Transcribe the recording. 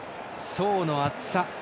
層の厚さ。